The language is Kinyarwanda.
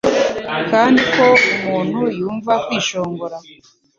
kandi ko umuntu yumva kwishongora